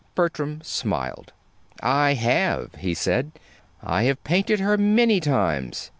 Bertram smiled. "I have," he said. "I have painted her many times.